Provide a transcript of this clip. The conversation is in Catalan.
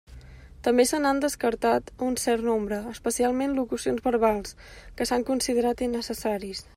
També se n'ha descartat un cert nombre, especialment locucions verbals, que s'han considerat innecessaris.